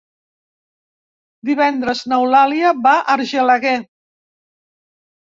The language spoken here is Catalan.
Divendres n'Eulàlia va a Argelaguer.